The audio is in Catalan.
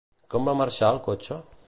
Com va marxar el cotxe?